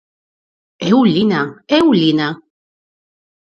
Eu lina, eu lina.